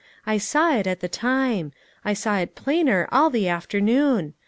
I saw that at the time ; and I saw it plainer all the afternoon.